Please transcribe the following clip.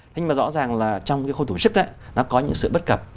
nhưng mà rõ ràng là trong khu tổ chức nó có những sự bất cập